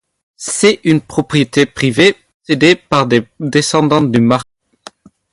C'est une propriété privée, possédée par les descendants du marquis.